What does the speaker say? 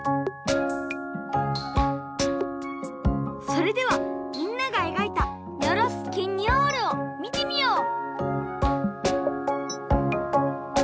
それではみんながえがいたニョロス・ケニョールをみてみよう！